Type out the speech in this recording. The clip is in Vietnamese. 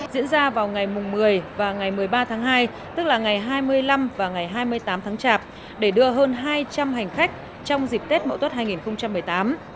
diễn ra vào ngày một mươi và ngày một mươi ba tháng hai tức là ngày hai mươi năm và ngày hai mươi tám tháng chạp để đưa hơn hai trăm linh hành khách trong dịp tết mậu tuất hai nghìn một mươi tám